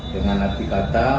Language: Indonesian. dengan hati kata